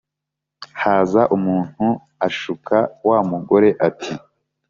Haza umuntu ashuka wa mugore ati”